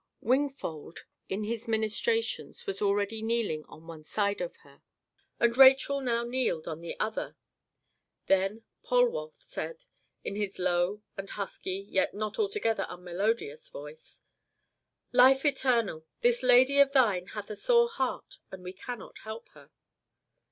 Wingfold in his ministrations was already kneeling on one side of her, and Rachel now kneeled on the other. Then Polwarth said, in his low and husky, yet not altogether unmelodious voice, "Life eternal, this lady of thine hath a sore heart and we cannot help her.